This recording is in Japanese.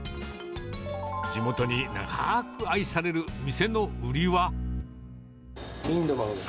地元に長く愛される店の売りは。